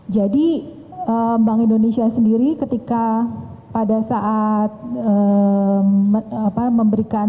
jadi bank indonesia sendiri ketika pada saat memberikan